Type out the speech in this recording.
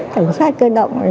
cảnh sát cơ động